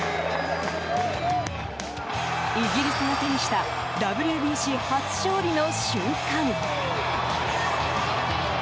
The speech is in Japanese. イギリスが手にしたＷＢＣ初勝利の瞬間。